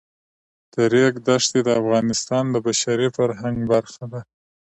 د ریګ دښتې د افغانستان د بشري فرهنګ برخه ده.